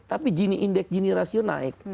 tapi gini indeks gini rasio naik